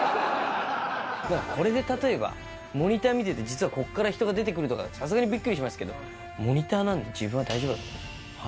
これで例えば、モニター見てて、実はここから人が出てくるとかだとさすがにびっくりしますけど、モニターなんで、自分は大丈夫だと思います。